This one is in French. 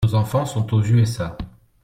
Nos enfant sont aux USA.